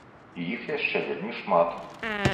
І іх яшчэ вельмі шмат.